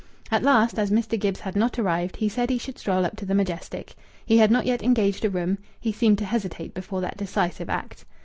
At last, as Mr. Gibbs had not arrived, he said he should stroll up to the Majestic. He had not yet engaged a room; he seemed to hesitate before that decisive act....